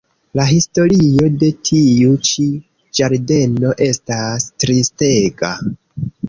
La historio de tiu ĉi ĝardeno estas tristega.